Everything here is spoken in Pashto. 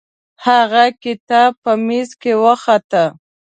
هغه کتاب په میز کې وخته.